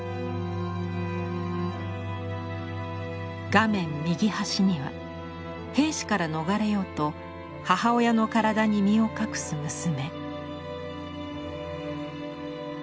画面右端には兵士から逃れようと母親の体に身を隠す娘。